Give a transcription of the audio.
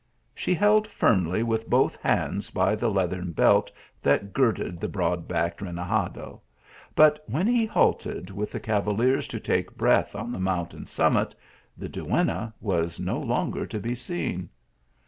She held firmly with both hands by the leathern THREE BEAUTIFUL PRINCESSES. 155 belt that girded the broad backed renegade; but when he halted with the cavaliers to take breath on the mountain summit, the duenna was no longer to be seen.